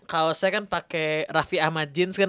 kaosnya kan pakai raffi ahmad jeans kan